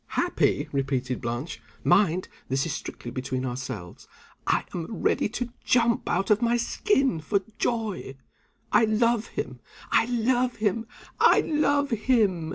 "Happy?" repeated Blanche "Mind! this is strictly between ourselves. I am ready to jump out of my skin for joy. I love him! I love him! I love him!"